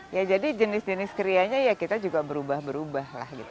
ya jadi jenis jenis krianya ya kita juga berubah berubah lah gitu